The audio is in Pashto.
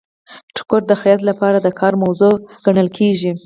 ټوکر د خیاط لپاره د کار موضوع ګڼل کیږي.